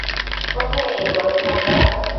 কোথায় এই গোরস্থানটা?